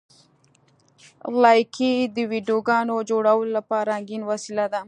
لایکي د ویډیو جوړولو لپاره رنګین وسیله ده.